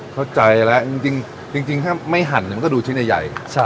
เข้าใจแล้วจริงจริงจริงจริงถ้าไม่หั่นมันก็ดูชิ้นใหญ่ใหญ่ใช่